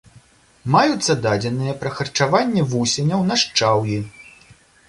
Маюцца дадзеныя пра харчаванне вусеняў на шчаўі.